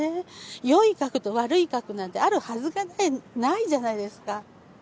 良い核と悪い核なんてあるはずがないじゃないですか。